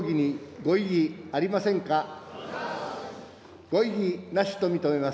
ご異議なしと認めます。